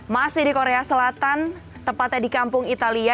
masih di korea selatan tepatnya di kampung italia